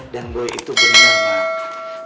dan boy itu gue dengar ma